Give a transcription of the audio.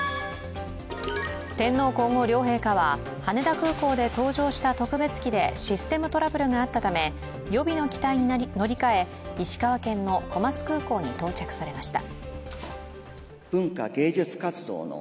天皇皇后両陛下は羽田空港で搭乗した特別機でシステムトラブルがあったため、予備の機体待に乗り換え、石川県の小松空港に到着されました。